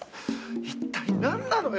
一体、何なのよ